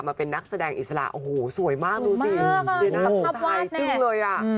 มาเป็นนักแสดงอิสระโอ้โหสวยมากดูสิน่าจึ้งเลยอ่ะ